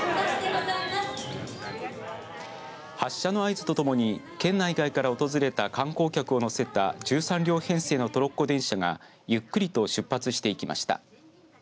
発車の合図とともに県内外から訪れた観光客を乗せた１３両編成のトロッコ電車がゆっくりと出発していきました。